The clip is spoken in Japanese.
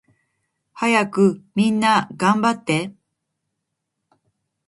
はやくみんながんばって